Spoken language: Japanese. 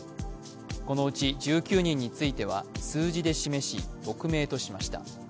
このうち１９人については数字で示し、匿名としました。